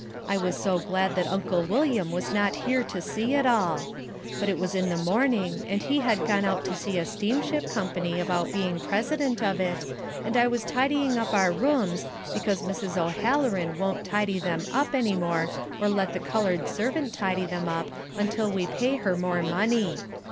I was so glad that Uncle William was not here to see it all. But it was in the morning and he had gone out to see a steamship company about being president of it, and I was tidying up our rooms, because Mrs. O'Halloran won't tidy them up any more or let the coloured servant tidy them up until we pay her more money.